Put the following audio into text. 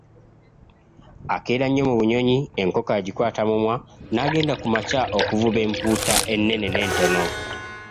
Akeera nnyo mu bunyonyi, enkoko agikwaata mumwa n'agenda ku makya okuvuba empuuta ennene n'entono.